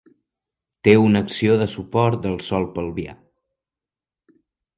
Té una acció de suport del sòl pelvià.